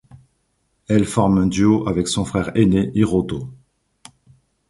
Elle forme un duo avec son frère ainé Hiroto.